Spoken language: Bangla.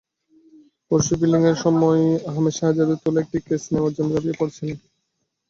পরশু ফিল্ডিংয়ের সময় আহমেদ শেহজাদের তোলা একটা ক্যাচ নেওয়ার জন্য ঝাঁপিয়ে পড়েছিলেন।